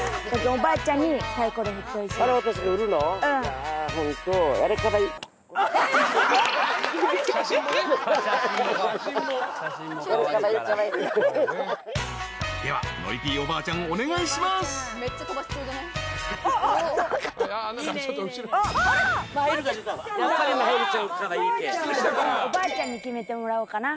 おばあちゃんに決めてもらおうかな。